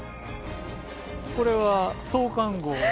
これは創刊号です。